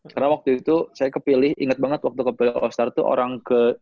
karena waktu itu saya kepilih inget banget waktu kepilih all star tuh orang ke sebelas